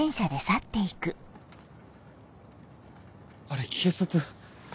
あれ警察。